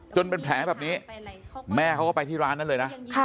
จนเป็นแผลแบบนี้แม่เขาก็ไปที่ร้านนั้นเลยนะ